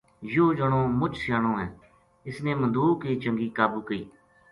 یوہ جنو مچ سیانو ہے اس نے مدوک بی چنگی قابو کئی